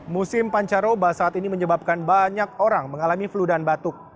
musim pancaroba saat ini menyebabkan banyak orang mengalami flu dan batuk